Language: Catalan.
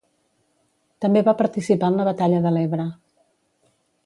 També va participar en la Batalla de l'Ebre.